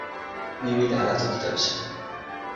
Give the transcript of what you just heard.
mi wile ala toki tawa sina.